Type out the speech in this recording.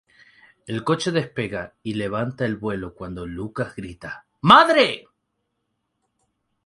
El coche despega y levanta el vuelo cuando Lucas grita "¡Madre!